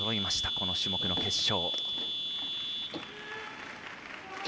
この種目の決勝。